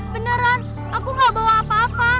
beneran aku gak bawa apa apa